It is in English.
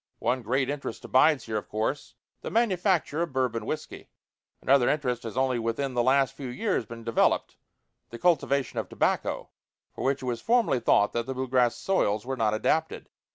One great interest abides here, of course the manufacture of Bourbon whiskey. Another interest has only within the last few years been developed the cultivation of tobacco, for which it was formerly thought that the blue grass soils were not adapted.